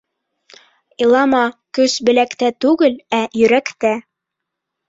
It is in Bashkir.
Илама, көс беләктә түгел, ә йөрәктә.